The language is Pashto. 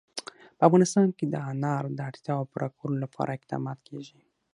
په افغانستان کې د انار د اړتیاوو پوره کولو لپاره اقدامات کېږي.